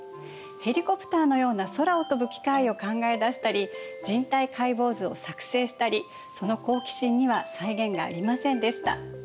ヘリコプターのような空を飛ぶ機械を考え出したり人体解剖図を作成したりその好奇心には際限がありませんでした。